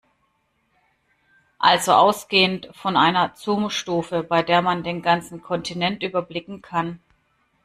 Also ausgehend von einer Zoomstufe, bei der man den ganzen Kontinent überblicken kann.